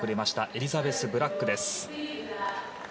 エリザベス・ブラックです。